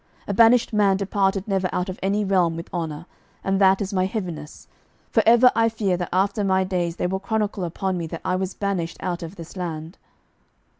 A banished man departed never out of any realm with honour; and that is my heaviness, for ever I fear that after my days they will chronicle upon me that I was banished out of this land."